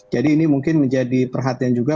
jadi ini mungkin menjadi perhatian juga